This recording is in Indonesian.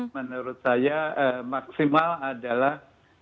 menurut saya maksimal adalah